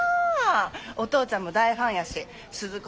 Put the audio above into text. お父ちゃんも大ファンやしスズ子